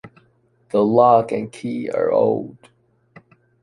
The lock and key are old.